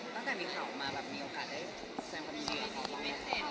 ตั้งแต่มีเขามามีโอกาสได้แซมกับนิดหนึ่งหรือเปล่า